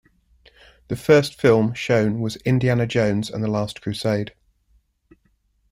The first film shown was "Indiana Jones and the Last Crusade".